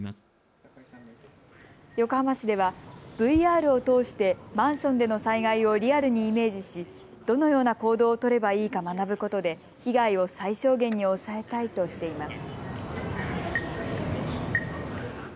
横浜市ではＶＲを通してマンションでの災害をリアルにイメージしどのような行動を取ればいいか学ぶことで被害を最小限に抑えたいとしています。